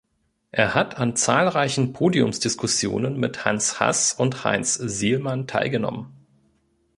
Er hat an zahlreichen Podiumsdiskussionen mit Hans Hass und Heinz Sielmann teilgenommen.